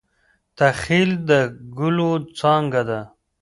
تخیل د ګلو څانګه ده.